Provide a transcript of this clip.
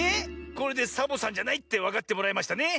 これでサボさんじゃないってわかってもらえましたね。